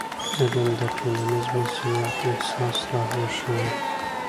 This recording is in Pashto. علم د ټولنیز مسؤلیت احساس راویښوي.